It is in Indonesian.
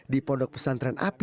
di pondok pesantren api